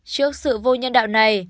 trước sự vô nhân đạo này